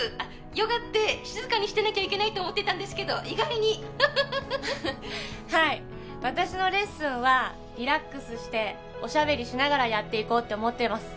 ヨガって静かにしてなきゃいけないと思ってたんですけど意外にハハハハはい私のレッスンはリラックスしておしゃべりしながらやっていこうって思ってます